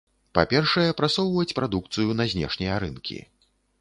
Па-першае, прасоўваць прадукцыю на знешнія рынкі.